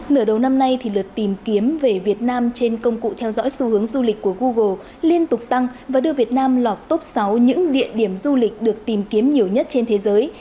nửa đầu năm nay lượt tìm kiếm về việt nam trên công cụ theo dõi xu hướng du lịch của google liên tục tăng và đưa việt nam lọt top sáu những địa điểm du lịch được tìm kiếm nhiều nhất trên thế giới